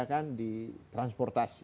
kita kan di transportasi